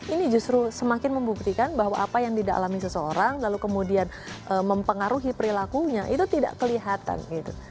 ini justru semakin membuktikan bahwa apa yang dialami seseorang lalu kemudian mempengaruhi perilakunya itu tidak kelihatan gitu